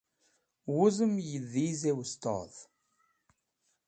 Wuzem yi Dhize Wustodh